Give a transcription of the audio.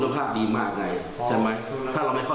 หมายความที่ว่าที่มันเป็นแผ่นหมายความคาวผลมันกว่า